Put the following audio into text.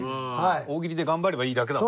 大喜利で頑張ればいいだけだもん。